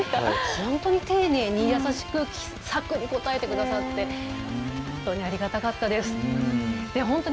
本当に丁寧に優しく答えてくださって本当にありがたかったです。